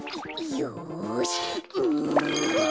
よし！